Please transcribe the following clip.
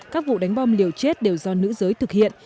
các vụ đánh bom liều chết đều do nữ giới thực hiện